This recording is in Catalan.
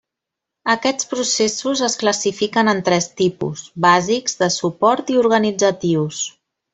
Aquests processos es classifiquen en tres tipus: bàsics, de suport i organitzatius.